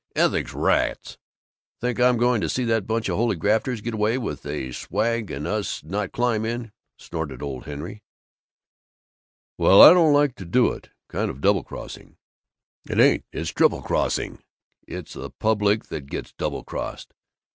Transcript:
"Ethics, rats! Think I'm going to see that bunch of holy grafters get away with the swag and us not climb in?" snorted old Henry. "Well, I don't like to do it. Kind of double crossing." "It ain't. It's triple crossing. It's the public that gets double crossed.